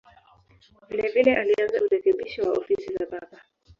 Vilevile alianza urekebisho wa ofisi za Papa.